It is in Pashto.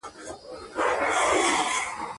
فاریاب د افغانستان د جغرافیوي تنوع مثال دی.